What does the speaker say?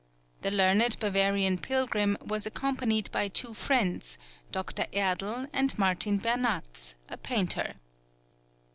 The learned Bavarian pilgrim was accompanied by two friends, Dr. Erdl and Martin Bernatz, a painter.